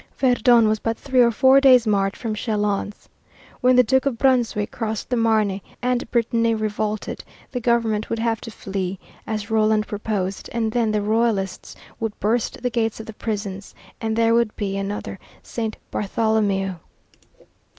Verdun was but three or four days' march from Châlons. When the Duke of Brunswick crossed the Marne and Brittany revolted, the government would have to flee, as Roland proposed, and then the Royalists would burst the gates of the prisons and there would be another Saint Bartholomew.